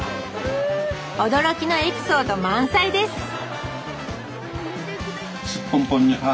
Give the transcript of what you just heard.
驚きのエピソード満載です！